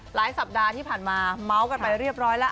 สัปดาห์ที่ผ่านมาเมาส์กันไปเรียบร้อยแล้ว